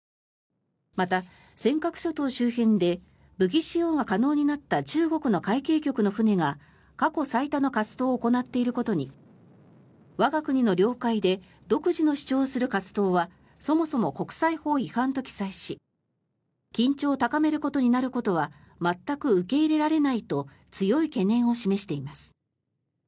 また、尖閣諸島周辺で武器使用が可能になった中国の海警局の船が過去最多の活動を行っていることに我が国の領海で独自の主張をする活動はそもそも国際法違反と記載し緊張を高めることになることは全く受け入れられないと強い懸念を示しています。